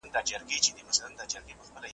ما د ورور په چاړه ورور دئ حلال كړى ,